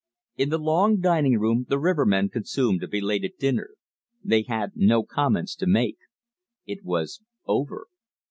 In the long dining room the rivermen consumed a belated dinner. They had no comments to make. It was over.